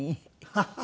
ハハハハ。